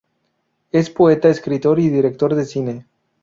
Es poeta, escritor y director de cine.